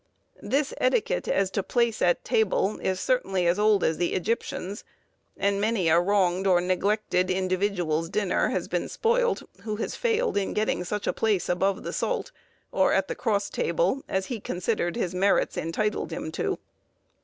This etiquette, as to place at table, is certainly as old as the Egyptians, and many a wronged or neglected individual's dinner has been spoilt, who has failed in getting such a place above the salt, or at the cross table, as he considered his merits entitled him to.